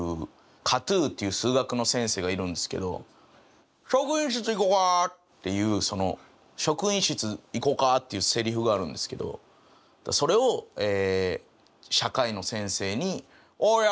カトゥっていう数学の先生がいるんですけど「職員室行こか」っていうその「職員室行こか」っていうせりふがあるんですけどそれを社会の先生に「おいアキヤマお前職員室行こか」